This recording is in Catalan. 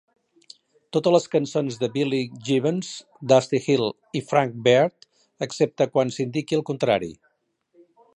Totes les cançons de Billy Gibbons, Dusty Hill i Frank Beard, excepte quan s"indiqui el contrari.